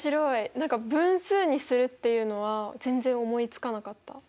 何か分数にするっていうのは全然思いつかなかった。